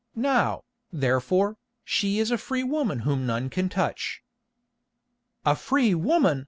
Now, therefore, she is a free woman whom none can touch." "A free woman!"